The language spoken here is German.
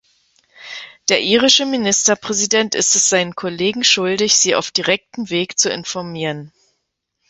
Der irische Ministerpräsident ist es seinen Kollegen schuldig, sie auf direktem Weg zu informieren.